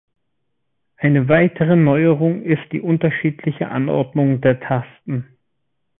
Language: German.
Eine weitere Neuerung ist die unterschiedliche Anordnung der Tasten.